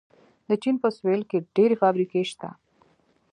د چین په سویل کې ډېرې فابریکې شته.